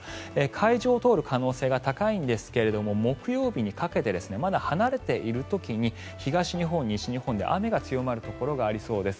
海上を通る可能性が高いんですが木曜日にかけてまだ離れている時に東日本、西日本で雨が強まるところがありそうです。